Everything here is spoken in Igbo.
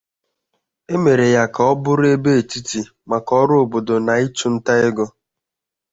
E mere ya ka ọ bụrụ ebe etiti maka ọrụ obodo na ịchụ nta ego.